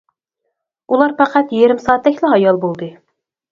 ئۇلار پەقەت يېرىم سائەتتەكلا ھايال بولدى.